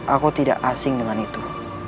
aku tidak asing dengan itu